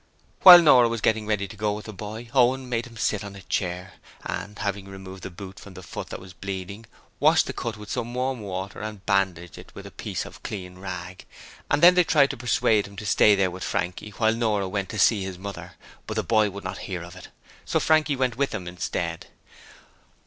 While Nora was getting ready to go with the boy, Owen made him sit on a chair, and having removed the boot from the foot that was bleeding, washed the cut with some warm water and bandaged it with a piece of clean rag, and then they tried to persuade him to stay there with Frankie while Nora went to see his mother, but the boy would not hear of it. So Frankie went with them instead.